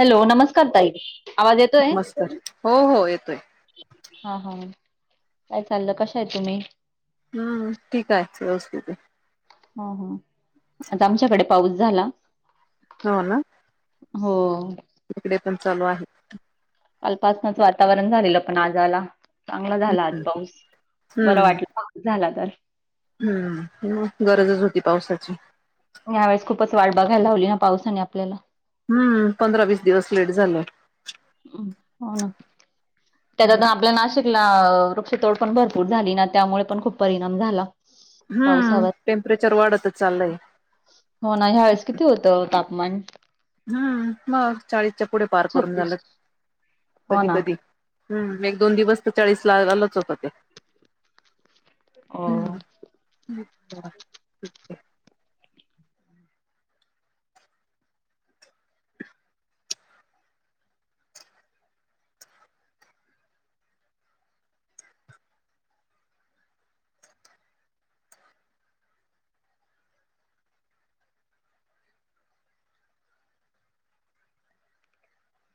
Hello नमस्कार ताई! आवाज येतोय? नमस्कार हो हो येतोय हा हा काय चाललं कश आहे तुम्ही? हम्म ठीकय व्यवस्थितेत. हो ह आता आमच्याकडे पाऊस झाला. हो ना हो इकडे चालू आहे. कालपासनच वातावरण झालेलं पण आज झाला. चांगला झाला आज पंस बरं हम्म वाटलं झाला तर हम्म गरजच होती पावसाची यावेळेस खूपच वाट बघायला लावली ना पावसाने आपल्याला हम्म पंधरा वीस दिवस लेट झालं. हो ना त्याच्या आपल्या नाशिकला वृक्षतोड पण भरपूर झाली ना त्यामुळे पण खूप परिणाम झाला. हम्म पावसावर टेम्परेचर वाढतच चाललंय, हो ना ह्या वेळेस किती होतं तापमान हम्म मग चाळीसच्या पुढे पार करून छत्तीस झालं हो कधी ना कधी, हम् एक दोन दिवस तर चाळीस ला आलच होत ते. हो हा ठीके.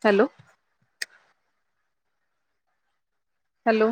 Hello hello